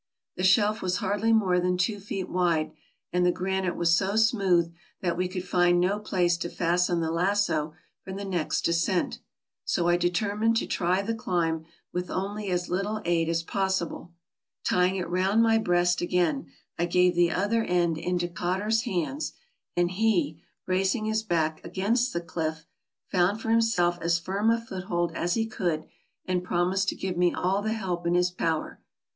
The shelf was hardly more than two feet wide, and the granite so smooth that we could find no place to fasten the lasso for the next descent; so I determined to try the climb with only as little aid as possible. Tying it round my breast again, I gave the other end into Cotter's hands, and he, bracing his back against the cliff, found for himself as firm a foothold as he could, and promised to give me all the help in his power.